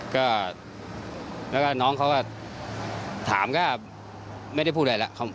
ก็แล้วก็น้องเขาก็ถามก็ไม่ได้พูดอะไรแล้ว